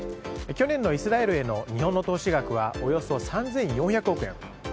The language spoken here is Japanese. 去年のイスラエルへの日本の投資額はおよそ３４００億円。